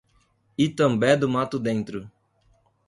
Itambé do Mato Dentro